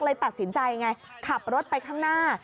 เลยตัดสินใจไงขับรถไปข้างหน้า